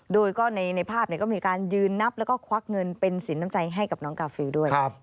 โดยก็ในภาพก็มีการยืนนับแล้วก็ควักเงินเป็นสินน้ำใจให้กับน้องกาฟิลด้วย